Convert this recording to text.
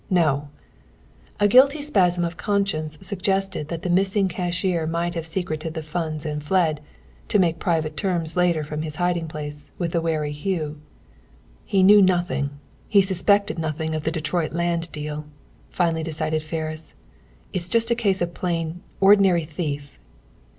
No!" A guilty spasm of conscience suggested that the missing cashier might have secreted the funds and fled, to make private terms later from his hiding place, with the wary Hugh. "He knew nothing, he suspected nothing of the Detroit land deal," finally decided Ferris. "It's just a case of plain, ordinary thief!"